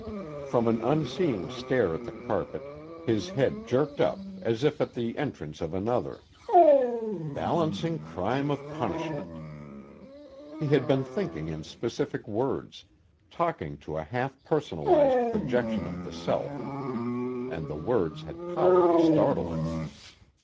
_ From an unseeing stare at the carpet, his head jerked up as if at the entrance of another. Balancing crime of punishment: he had been thinking in specific words, talking to a half personalized projection of the self, and the words had power to startle him.